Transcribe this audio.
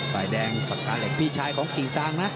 ฝ่ายแดงปากกาเหล็กพี่ชายของกิ่งซางนะ